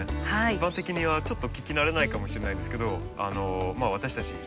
一般的にはちょっと聞き慣れないかもしれないんですけどまあ私たちよく使いますよね。